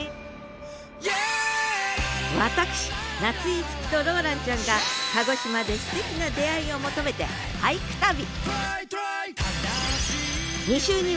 私夏井いつきとローランちゃんが鹿児島ですてきな出会いを求めて俳句旅！